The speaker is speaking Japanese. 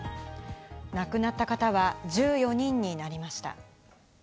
亡くなった方は１４人になりました。